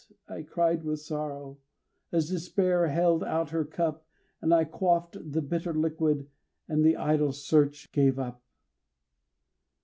I cried with sorrow, as Despair held out her cup, And I quaffed the bitter liquid, and the idle search gave up.